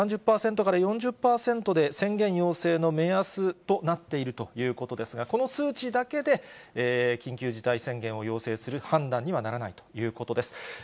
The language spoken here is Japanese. ３０％から４０％で、宣言要請の目安となっているということですが、この数値だけで緊急事態宣言を要請する判断にはならないということです。